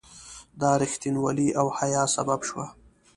دا رښتینولي او حیا سبب شوه.